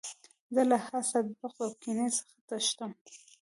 زه له حسد، بغض او کینې څخه تښتم.